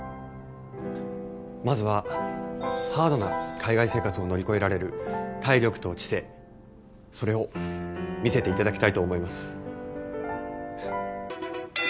まずはハードな海外生活を乗り越えられる体力と知性それを見せていただきたいと思います。